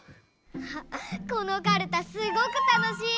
このカルタすごくたのしい！